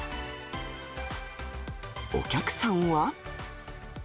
お客さんは。